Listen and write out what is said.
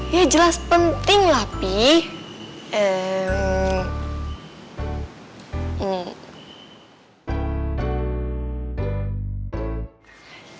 ya jelas penting lah pi